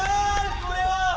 これは。